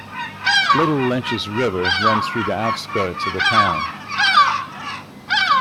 Little Lynches River runs through the outskirts of the town.